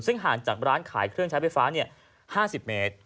ซึ่งห่างจากร้านขายเครื่องใช้ไฟฟ้า๕๐เมตร